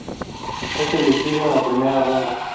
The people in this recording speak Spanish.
Es elegido en la primera ronda.